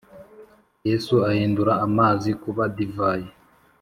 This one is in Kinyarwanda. yesu ahindura amazi kuba divayi